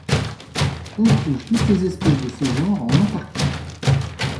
On trouve toutes les espèces de ce genre en Antarctique.